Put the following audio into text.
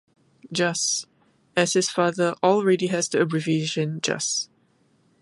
Juss., as his father already has the abbreviation Juss.